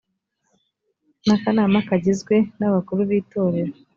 n akanama kagizwe n abakuru b itorero